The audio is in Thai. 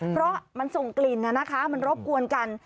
เพราะมันส่งกลิ่นมันรบกวนกัน